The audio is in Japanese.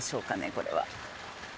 これは。